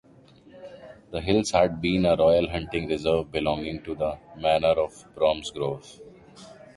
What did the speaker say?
The hills had been a royal hunting reserve belonging to the Manor of Bromsgrove.